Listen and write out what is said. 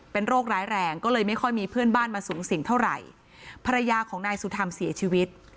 เป็นโรคร้ายแรงก็เลยไม่ค่อยมีเพื่อนบ้านมาสูงสิ่งเท่าไหร่ภรรยาของนายสุธรรมเสียชีวิต